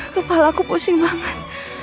kepala aku pusing banget